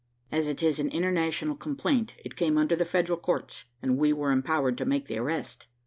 "As it is an international complaint, it came under the Federal courts, and we were empowered to make the arrest."